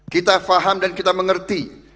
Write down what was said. kita faham dan kita mengerti